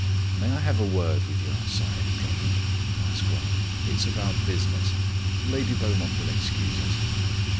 "May I have a word with you outside, Drummond?" asked Grant. "It is about business. Lady Beaumont will excuse us."